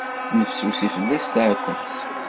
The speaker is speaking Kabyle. Tettnefsusi fell-as tɛekkemt.